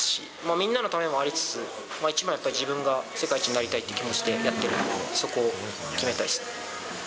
みんなのためもありつつ、一番はやっぱり自分が世界一になりたいっていう気持ちでやってるんで、そこを決めたいです。